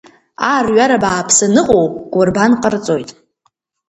Аарҩара бааԥсы аныҟоу, кәырбан ҟарҵоит.